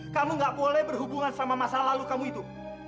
kamu gak boleh berhubungan sama masa lalu kamu itu